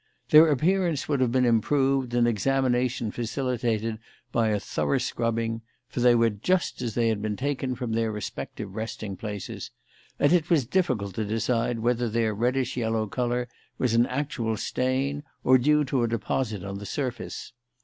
Their appearance would have been improved and examination facilitated by a thorough scrubbing, for they were just as they had been taken from their respective resting places, and it was difficult to decide whether their reddish yellow colour was an actual stain or due to a deposit on the surface.